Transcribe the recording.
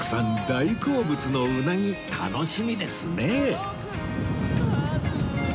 大好物のうなぎ楽しみですねえ